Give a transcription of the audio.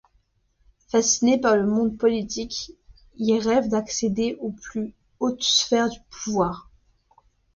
Fasciné par le monde politique, il rêve d'accéder aux plus hautes sphères du pouvoir.